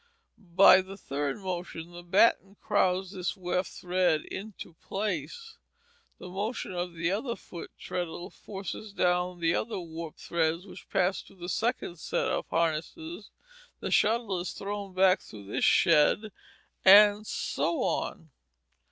By the third motion the batten crowds this weft thread into place. Then the motion of the other foot treadle forces down the other warp threads which pass through the second set of harnesses, the shuttle is thrown back through this shed, and so on.